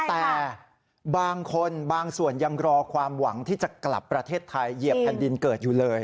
แต่บางคนบางส่วนยังรอความหวังที่จะกลับประเทศไทยเหยียบแผ่นดินเกิดอยู่เลย